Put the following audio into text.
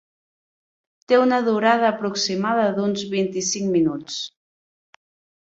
Té una durada aproximada d'uns vint-i-cinc minuts.